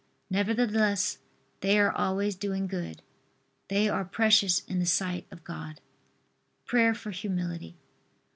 Nevertheless they are always doing good. These are precious in the sight of God. PRAYER FOR HUMILITY.